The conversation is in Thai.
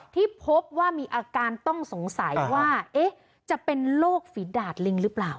ที่พบว่ามีอาการต้องสงสัยว่าจะเป็นโรคฝีดาดลิงหรือเปล่า